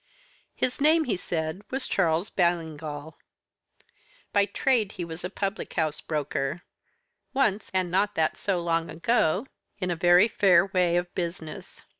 His name, he said, was Charles Ballingall. By trade he was a public house broker; once, and that not so long ago, in a very fair way of business.